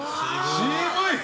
渋い！